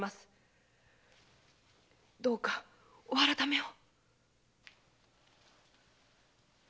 どうかお改めを！